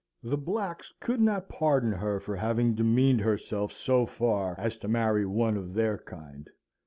The blacks could not pardon her for having demeaned herself so far as to marry one of their kind.